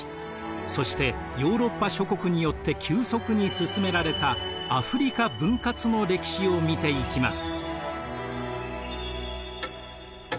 そしてヨーロッパ諸国によって急速に進められたアフリカ分割の歴史を見ていきます。